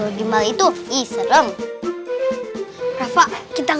ya udah sampai lho